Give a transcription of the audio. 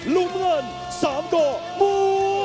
ลุ่มเงินสามโกมู